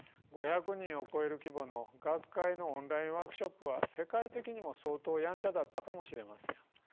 ５００人を超える規模の学会のオンラインワークショップは世界的にも相当やんちゃだったかもしれません。